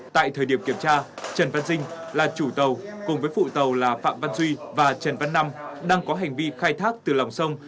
tại thời điểm kiểm tra trần văn dinh là chủ tàu cùng với phụ tàu là phạm văn duy và trần văn năm đang có hành vi khai thác từ lòng sông